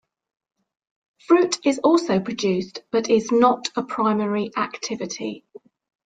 Fruit is also produced but is not a primary activity.